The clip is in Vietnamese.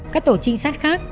các tổ trinh sát khác